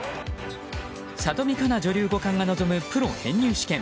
里見香奈女流五冠が臨むプロ編入試験。